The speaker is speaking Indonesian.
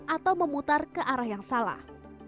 atau memutar ke arah yang salah